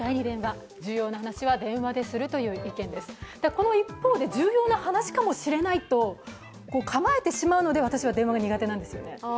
この一方で重要な話かもしれないと構えてしまうので、私は電話が苦手なんですよね。